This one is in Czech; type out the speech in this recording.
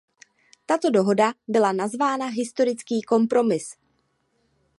Tato dohoda byla nazvána "historický kompromis".